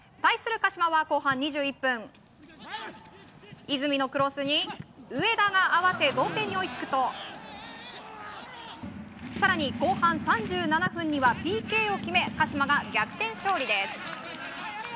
鹿島は後半２１分和泉のクロスに上田が合わせ同点に追いつくと更に、後半３７分にはＰＫを決め鹿島が逆転勝利です。